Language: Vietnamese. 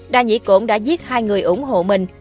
đa nhĩ cổn đã giết hai người ủng hộ mình